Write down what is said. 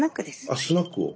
あスナックを。